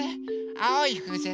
あおいふうせん